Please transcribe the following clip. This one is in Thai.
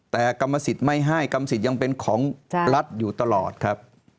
แต่กรรมสิทธิ์ไม่ให้กรรมสิทธิ์ยังเป็นของรัฐอยู่ตลอดครับ